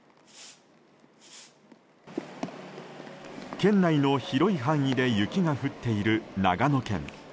県内の広い範囲で雪が降っている長野県。